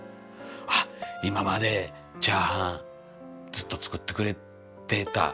あっ今までチャーハンずっと作ってくれてた。